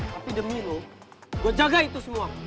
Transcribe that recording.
tapi demi lo gue jaga itu semua